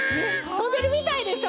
とんでるみたいでしょ？